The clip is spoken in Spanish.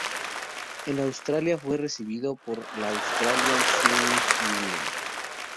En Australia fue recibido por la Australian Swimming Union.